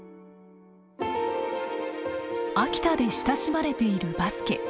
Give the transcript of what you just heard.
秋田で親しまれているバスケ。